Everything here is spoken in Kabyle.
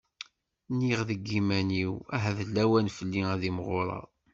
Nniɣ deg yiman-iw ahat d lawan fell-i ad imɣureɣ.